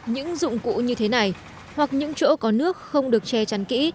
những dụng cụ như thế này hoặc những chỗ có nước không được che chắn kỹ